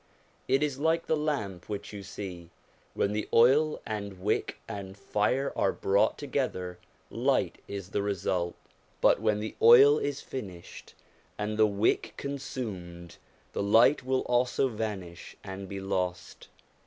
It is like this lamp which you see : when the oil and wick and fire are brought together, light is the result ; 164 SOME ANSWERED QUESTIONS but when the oil is finished and the wick consumed, the light will also vanish and be lost.